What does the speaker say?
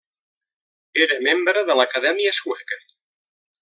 Era Membre de l'Acadèmia Sueca.